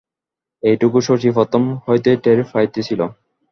এটুকু শশী প্রথম হইতেই টের পাইতেছিল।